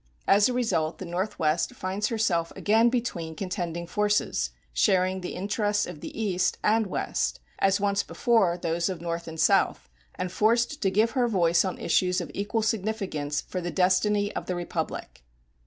As a result, the Northwest finds herself again between contending forces, sharing the interests of East and West, as once before those of North and South, and forced to give her voice on issues of equal significance for the destiny of the republic.